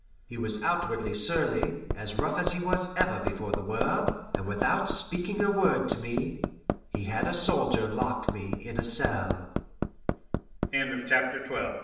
He was outwardly surly as rough as he was ever before the world, and without speaking a word to me, he had a soldier lock me in a cell. XIII.